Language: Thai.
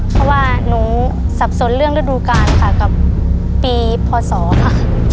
เพราะว่าหนูสับสนเรื่องฤดูกาลค่ะกับปีพศค่ะ